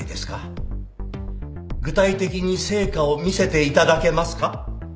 具体的に成果を見せていただけますか？